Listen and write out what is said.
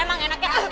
emang enak ya